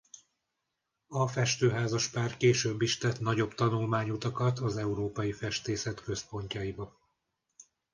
A festő-házaspár később is tett nagyobb tanulmányutakat az európai festészet központjaiba.